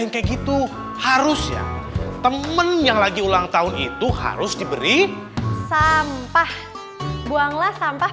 kayak gitu harus ya temen yang lagi ulang tahun itu harus diberi sampah buanglah sampah